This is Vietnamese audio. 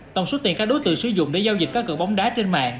tổng số tiền cá đối tượng sử dụng để giao dịch cá cửa bóng đá trên mạng